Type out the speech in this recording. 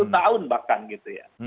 sepuluh tahun bahkan gitu ya